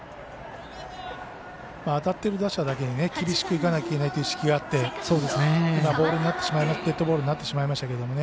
当たってる打者だけに厳しくいかなければいけないという意識があってデッドボールになってしまいましたけどね。